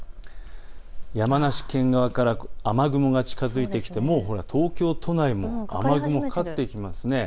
山梨県側から雨雲が近づいてきてもう東京都内も雨雲がかかってきています。